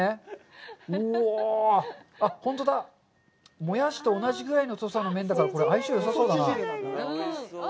もやしと同じぐらいの太さの麺だから、相性がよさそうだな。